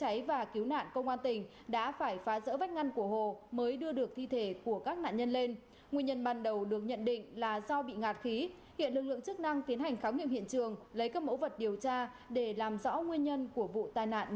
hãy đăng ký kênh để nhận thông tin nhất